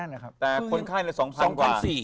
แต่คนไข่๒๐๐๐กว่า